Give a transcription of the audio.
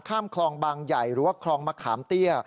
ข้ามคลองบางใหญ่หรือว่าคลองมะขามเตี้ย